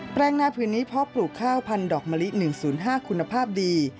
แปลงนาผืนนี้เพาะปลูกข้าวพันดอกมะลิ๑๐๕คุณภาพดี